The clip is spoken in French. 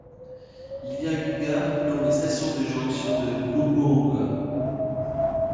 Il y a une gare, nommée Station de Jonction de Loughborough.